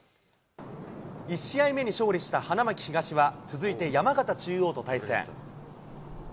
１試合目に勝利した花巻東は、続いて山形中央と対戦。